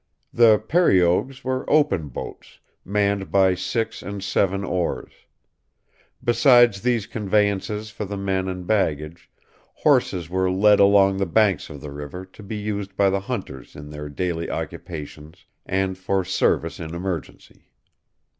The "periogues" were open boats, manned by six and seven oars. Besides these conveyances for the men and baggage, horses were led along the banks of the river, to be used by the hunters in their daily occupations and for service in emergency.